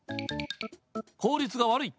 効率が悪い。